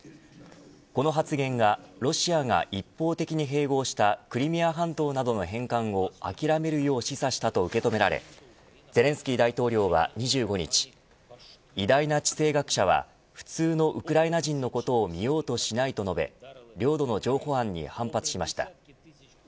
この発言がロシアが一方的に併合したクリミア半島などの返還を諦めるよう示唆したと受け止められゼレンスキー大統領は、２５日偉大な地政学者は普通のウクライナ人のことを見ようとしないと述べ領土の譲歩案に反発しました。